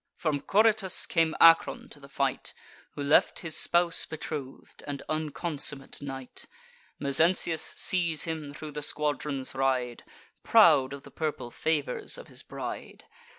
From Coritus came Acron to the fight, Who left his spouse betroth'd, and unconsummate night. Mezentius sees him thro' the squadrons ride, Proud of the purple favours of his bride.